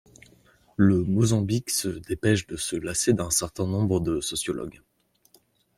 Le Mozambique se dépêche de se lasser d'un certain nombre de sociologues.